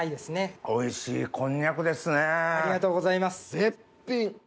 絶品！